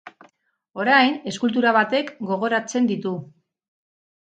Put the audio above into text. Orain, eskultura batek gogoratzen ditu.